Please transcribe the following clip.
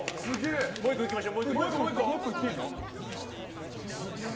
もう１個いきましょう。